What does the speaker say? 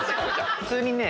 普通にね。